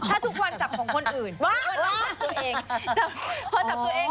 ถ้าทุกวันจับของคนอื่นจับตัวเอง